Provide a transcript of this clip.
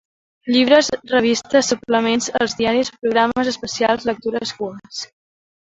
Llibres revistes suplements als diaris programes especials lectures cues.